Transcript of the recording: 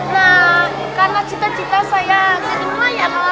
nah karena cita cita saya ke rumah ya